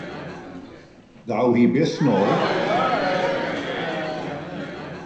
Ddaw hi byth yn ôl.